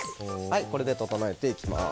これで調えていきます。